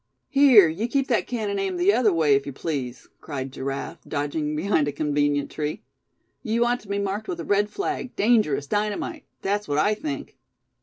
"Here, you keep that cannon aimed the other way, if you please!" cried Giraffe, dodging behind a convenient tree. "You ought to be marked with a red flag 'dangerous dynamite!' that's what I think!"